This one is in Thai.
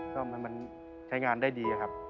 ต้องทำให้มันใช้งานได้ดีครับ